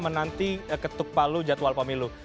menanti ketuk palu jadwal pemilu